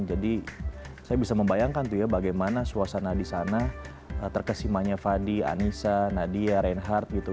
jadi saya bisa membayangkan tuh ya bagaimana suasana di sana terkesimanya fadi anissa nadia reinhardt gitu